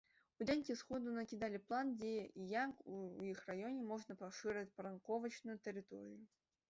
Удзельнікі сходу накідалі план, дзе і як у іх раёне можна пашырыць парковачную тэрыторыю.